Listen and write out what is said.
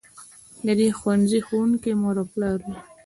د دې ښوونځي ښوونکي مور او پلار وي.